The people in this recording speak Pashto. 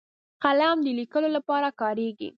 قلم د لیکلو لپاره کارېږي